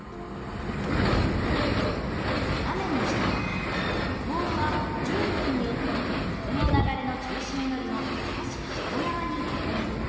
斜めにした場合ボールは重力によって風の流れの中心よりも少し下側にずれます。